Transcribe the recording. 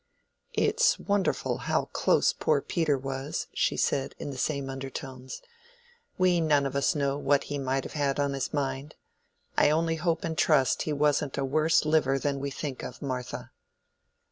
"It's wonderful how close poor Peter was," she said, in the same undertones. "We none of us know what he might have had on his mind. I only hope and trust he wasn't a worse liver than we think of, Martha."